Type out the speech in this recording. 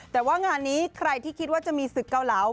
แต่ว่างานนี้ใครที่คิดว่าจะมีศึกเกาเหลา